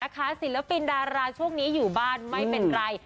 ศิลปินดาราช่วงนี้อยู่บ้านไม่เป็นไร